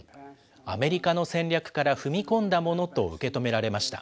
アメリカの戦略から踏み込んだものと受け止められました。